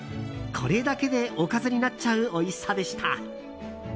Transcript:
これだけでおかずになっちゃうおいしさでした。